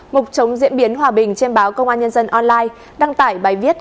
mục chống diễn biến hòa bình trên báo công an nhân dân online đăng tải bài viết